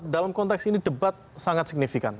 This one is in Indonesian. dalam konteks ini debat sangat signifikan